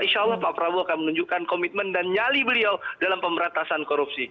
insya allah pak prabowo akan menunjukkan komitmen dan nyali beliau dalam pemberantasan korupsi